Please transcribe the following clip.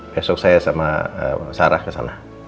besok saya sama sarah ke sana